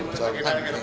pak ada yang berlaku